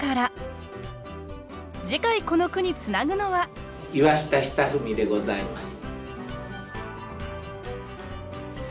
次回この句につなぐのは岩下尚史でございます。